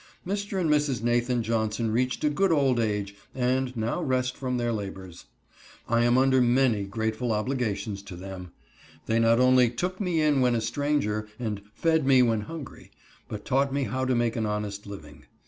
Mr. and Mrs. Nathan Johnson reached a good old age, and now rest from their labors. I am under many grateful obligations to them. They not only "took me in when a stranger" and "fed me when hungry," but taught me how to make an honest living.